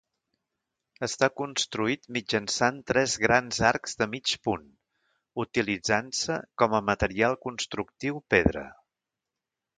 Està construït mitjançant tres grans arcs de mig punt, utilitzant-se com a material constructiu pedra.